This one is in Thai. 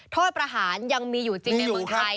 โทษประหารยังมีอยู่จริงในเมืองไทย